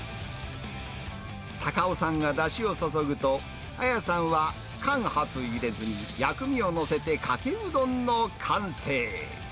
太夫さんがだしを注ぐと、彩さんは間髪入れずに薬味を載せて、かけうどんの完成。